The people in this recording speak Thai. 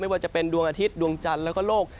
ว่าจะเป็นดวงอาทิตย์ดวงจันทร์แล้วก็โลก